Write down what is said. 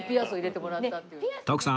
徳さん